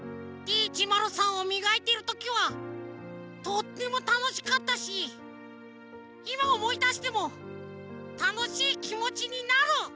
Ｄ１０３をみがいてるときはとってもたのしかったしいまおもいだしてもたのしいきもちになる！